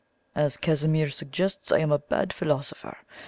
"As Casimir suggests, I am a bad philosopher.